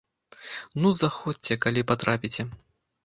Ну, заходзьце, калі патрапіце.